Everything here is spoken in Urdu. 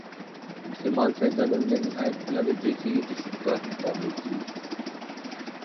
مسلمان سائنسدانوں نے نہایت عالیٰ درجہ کی رصدگاہیں تعمیر کیں